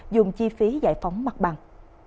dùng chi phí giải phóng mặt bằng